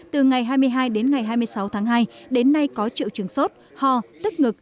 từ ngày hai mươi hai đến ngày hai mươi sáu tháng hai đến nay có triệu trường sốt ho tức ngực